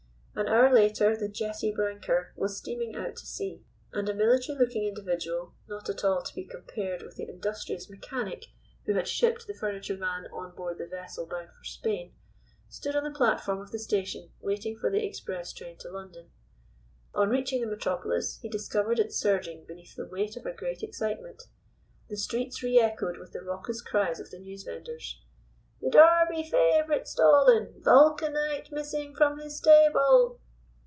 An hour later the Jessie Branker was steaming out to sea, and a military looking individual, not at all to be compared with the industrious mechanic who had shipped the furniture van on board the vessel bound for Spain, stood on the platform of the station waiting for the express train to London. On reaching the metropolis he discovered it surging beneath the weight of a great excitement. The streets re echoed with the raucous cries of the newsvenders: "The Derby favorite stolen Vulcanite missing from his stable!"